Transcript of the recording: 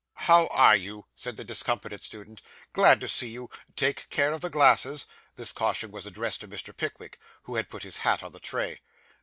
'How are you?' said the discomfited student. 'Glad to see you take care of the glasses.' This caution was addressed to Mr. Pickwick, who had put his hat in the tray.